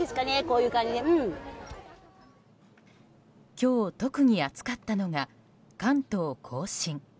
今日、特に暑かったのが関東・甲信。